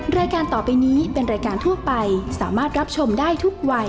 รายการต่อไปนี้เป็นรายการทั่วไปสามารถรับชมได้ทุกวัย